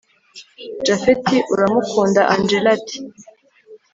japhet uramukunda angella ati